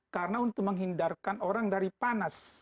karena untuk menghindarkan orang dari panas